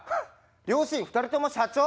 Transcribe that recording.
両親２人とも社長！？